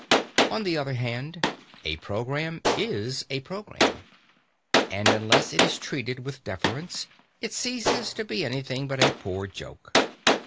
On the other hand, a programme is a programme. And unless it is treated with deference it ceases to be anything but a poor joke.